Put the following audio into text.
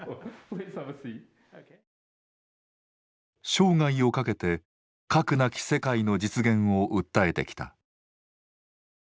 生涯をかけて「核なき世界」の実現を訴えてきた。